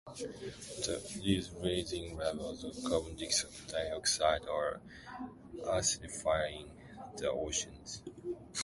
These rising levels of carbon dioxide are acidifying the oceans.